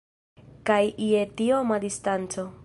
Kaj je tioma distanco!